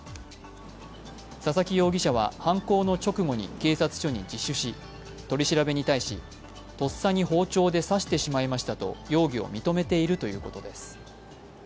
佐々木容疑者は犯行の直後に警察署に自首し取り調べに対し、とっさに包丁で刺してしまいましたと容疑を認めているということです。